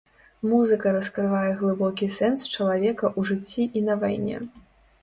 Музыка раскрывае глыбокі сэнс чалавека ў жыцці і на вайне!